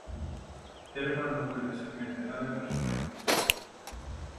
Terma no vuelve a ser mencionada en las fuentes.